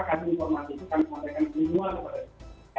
kondisi yang menimbulkan kita